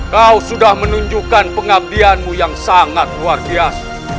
kau sudah menunjukkan pengabdianmu yang sangat luar biasa